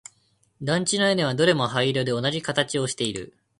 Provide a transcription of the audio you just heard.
団地の屋根はどれも灰色で同じ形をしている